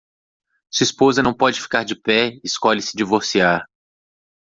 Sua esposa não pode ficar de pé e escolhe se divorciar